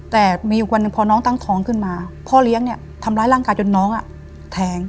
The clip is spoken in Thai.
แต่มีอยู่วันหนึ่งพอน้องตั้งท้องขึ้นมาพ่อเลี้ยงเนี่ยทำร้ายร่างกายจนน้องแทง